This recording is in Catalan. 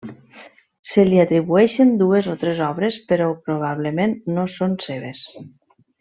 Se li atribueixen dues o tres obres però probablement no són seves.